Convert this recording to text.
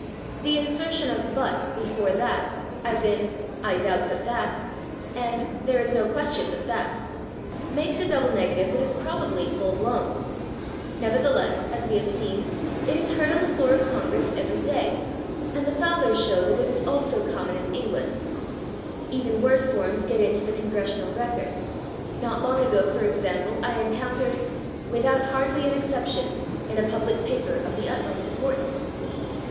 The insertion of /but/ before that, as in "I doubt /but/ that" and "there is no question /but/ that," makes a double negative that is probably full blown. Nevertheless, as we have seen, it is heard on the floor of Congress every day, and the Fowlers show that it is also common in England. Even worse forms get into the /Congressional Record/. Not long ago, for example, I encountered "without /hardly/ an exception" in a public paper of the utmost importance.